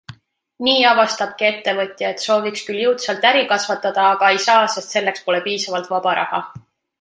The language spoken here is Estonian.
Nii avastabki ettevõtja, et sooviks küll jõudsalt äri kasvatada, aga ei saa, sest selleks pole piisavalt vaba raha.